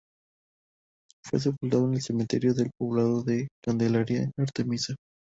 Fue sepultado en el cementerio del poblado de Candelaria en Artemisa.